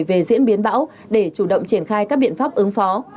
về diễn biến bão để chủ động triển khai các biện pháp ứng phó